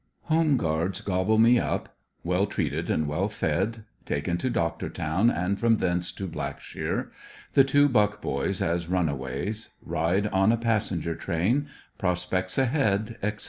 HOME GUAEDS GOBBLE ME UP — WELL TREATED AND WELL FED — TAKEN TO DOCTORTOWN AND FROM THENCE TO BLACKSHEAR — THE TWO BUCK BOYS AS RUNAWAYS — RIDE ON A PASSENGER TRAIN — PROSPECTS AHEAD, ETC.